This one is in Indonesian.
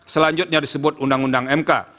selanjutnya disebut undang undang mk